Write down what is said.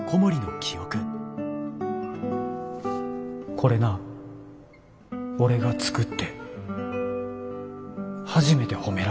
これな俺が作って初めて褒められたねじや。